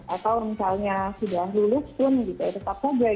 atau misalnya sudah lulus pun tetap saja